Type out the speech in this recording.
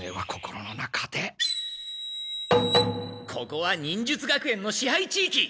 ここは忍術学園の支配地域。